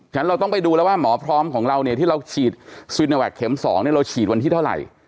ฉะนั้นเราต้องไปดูแล้วว่าหมอพร้อมของเราเนี่ยที่เราฉีดซีโนแวคเข็ม๒เราฉีดวันที่เท่าไหร่